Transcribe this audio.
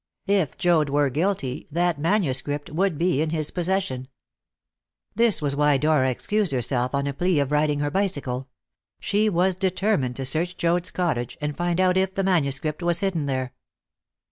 If Joad were guilty, that manuscript would be in his possession. This was why Dora excused herself on a plea of riding her bicycle. She was determined to search Joad's cottage, and find out if the manuscript was hidden there.